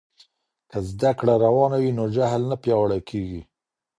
که زده کړه روانه وي نو جهل نه پیاوړی کېږي.